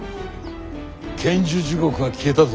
「剣樹地獄」が消えたぞ。